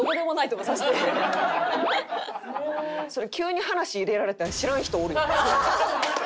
それ急に話入れられた知らん人おるやん。